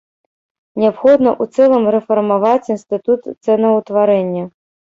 Неабходна ў цэлым рэфармаваць інстытут цэнаўтварэння.